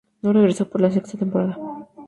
No regresó para la sexta temporada.